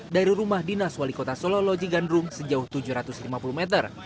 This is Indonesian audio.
dari rumah dinas wali kota solo loji gandrung sejauh tujuh ratus lima puluh meter